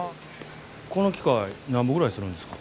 この機械なんぼぐらいするんですか？